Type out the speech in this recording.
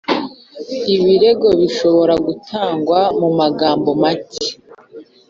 Ibirego bishobora gutangwa mu magambo make